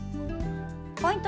ポイント